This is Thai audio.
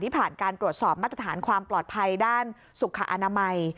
ผ่านการตรวจสอบมาตรฐานความปลอดภัยด้านสุขอนามัย